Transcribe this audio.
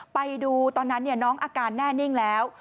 ไปดูตอนนั้นน้องอาการแน่นิ่งแล้ว